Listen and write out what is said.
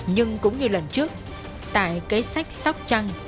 nhưng cũng như lần trước tại cấy sách sóc trăng